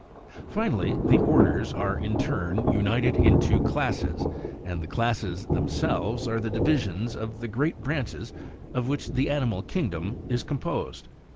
7. Finally, the orders are, in turn, united into CLASSES, and the classes themselves are the divisions of the great BRANCHES of which the animal kingdom is composed.